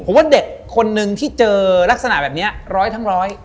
ผมว่าเด็กคนนึงที่เจอลักษณะแบบนี้ร้อยทั้งร้อย